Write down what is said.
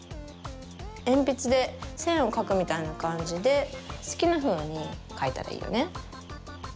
えんぴつでせんをかくみたいなかんじですきなふうにかいたらいいよね。